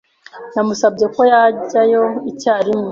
Namusabye ko yajyayo icyarimwe.